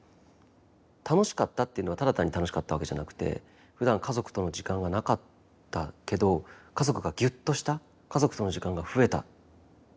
楽しかったっていうのはただ単に楽しかったわけじゃなくてふだん家族との時間がなかったけど家族がぎゅっとした家族との時間が増えた。